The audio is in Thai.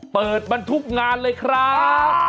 เปิดมันทุกงานเลยครับ